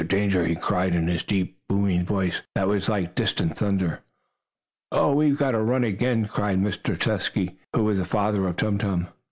Danger!" he cried, in his deep, booming voice, that was like distant thunder. "Oh, we've got to run again!" cried Mr. Tusky, who was the father of Tum Tum.